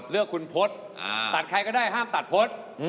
เลือกคุณพจน์ตัดใครก็ได้ห้ามตัดพจน์